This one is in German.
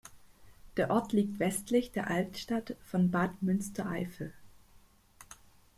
Der Ort liegt westlich der Altstadt von Bad Münstereifel.